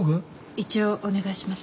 一応お願いします。